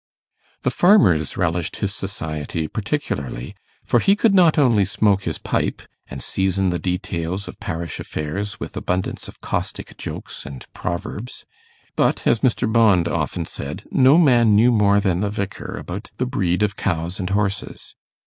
The farmers relished his society particularly, for he could not only smoke his pipe, and season the details of parish affairs with abundance of caustic jokes and proverbs, but, as Mr. Bond often said, no man knew more than the Vicar about the breed of cows and horses.